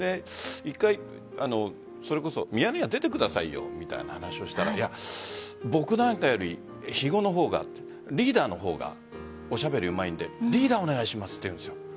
１回「ミヤネ屋」に出てくださいよみたいな話をしたら僕なんかより肥後のほうがってリーダーの方がおしゃべりうまいのでリーダーお願いしますと言うんです。